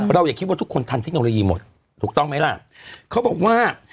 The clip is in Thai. อย่าคิดว่าทุกคนทันเทคโนโลยีหมดถูกต้องไหมล่ะเขาบอกว่า